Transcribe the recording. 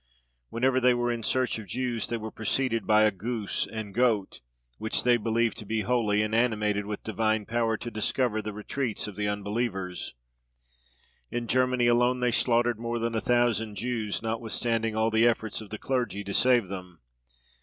Whenever they were in search of Jews, they were preceded by a goose and goat, which they believed to be holy, and animated with divine power to discover the retreats of the unbelievers. In Germany alone they slaughtered more than a thousand Jews, notwithstanding all the efforts of the clergy to save them.